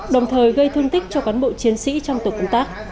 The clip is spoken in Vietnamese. đồng thời gây thương tích cho cán bộ chiến sĩ trong tổ công tác